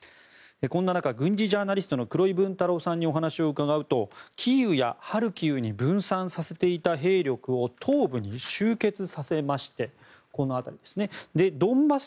こんな中、軍事ジャーナリストの黒井文太郎さんにお話を伺うとキーウやハルキウに分散させていた兵力を東部に集結させましてこの辺りですね。